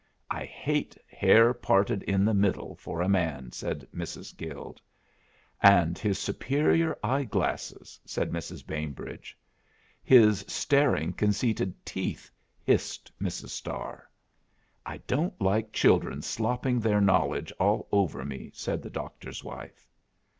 "I hate hair parted in the middle for a man," said Mrs. Guild. "And his superior eye glasses," said Mrs. Bainbridge. "His staring conceited teeth," hissed Mrs. Starr. "I don't like children slopping their knowledge all over me," said the Doctor's wife.